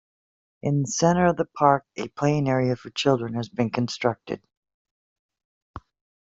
In the centre of the park a playing area for children has been constructed.